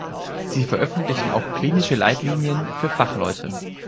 Sie veröffentlichen auch klinische Leitlinien für Fachleute.